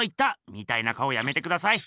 みたいな顔やめてください。